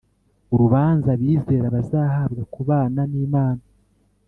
Urubanza abizera bazahabwa kubana n Imana